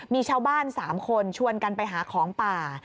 มีชาวบ้าน๓คนชวนกันไปหาของป่า